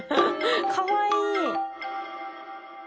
かわいい！